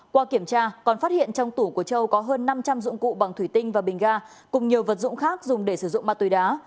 qua kiểm tra còn phát hiện trong tủ của châu có hơn năm trăm linh dụng cụ bằng thủy tinh và bình ga cùng nhiều vật dụng khác dùng để sử dụng ma túy đá